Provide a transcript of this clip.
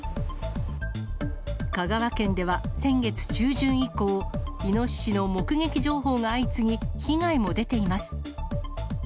香川県では先月中旬以降、イノシシの目撃情報が相次ぎ、被害も出ています。